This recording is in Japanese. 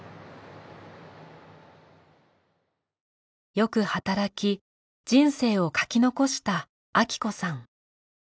よく働き人生を書き残したアキ子さん。